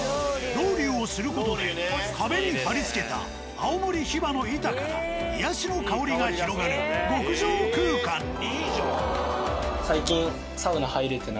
ロウリュをする事で壁に張り付けた青森ヒバの板から癒やしの香りが広がる極上空間に。